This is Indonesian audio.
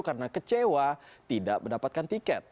karena kecewa tidak mendapatkan tiket